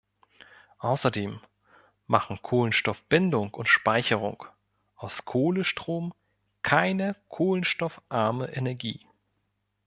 Außerdem machen Kohlenstoffbindung- und Speicherung aus Kohlestrom keine kohlenstoffarme Energie.